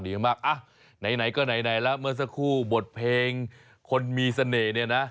ไหนก็ไหนแล้วเมื่อสักครู่บทเพลงคนมีเสน่ห์เนี่ยนะ